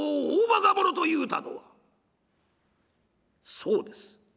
「そうです」。